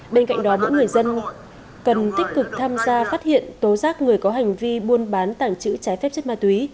bên cạnh đó những người dân cần tích cực tham gia phát hiện tố giác người có hành vi buôn bán tảng chữ trái phép chất ma túy